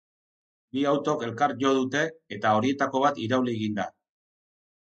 Bi autok elkar jo dute, eta horietako bat irauli egin da.